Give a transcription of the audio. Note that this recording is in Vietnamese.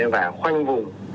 và khoanh vùng